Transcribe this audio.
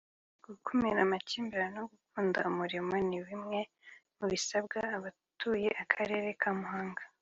gukumira amakibirane no gukunda umurimo ni bimwe mu bisabwa abatuye Akarere ka Muhanga